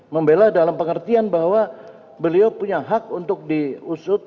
membela dalam pengertian bahwa beliau punya hak untuk diusut